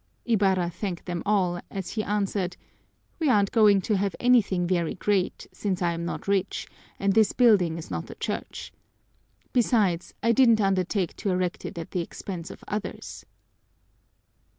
Ibarra thanked them all, as he answered, "We aren't going to have anything very great, since I am not rich and this building is not a church. Besides, I didn't undertake to erect it at the expense of others."